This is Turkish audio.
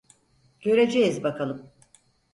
Göreceğiz bakalım.